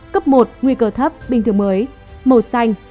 cấp một nguy cơ thấp bình thường mới màu xanh